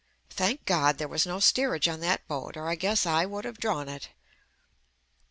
Thank God there was no steerage on that boat or I guess I would have drawn it.